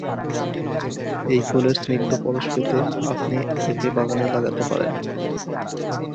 এই ফুলের স্নিগ্ধ পরশ পেতে আপনি একে বাগানে লাগাতে পারেন।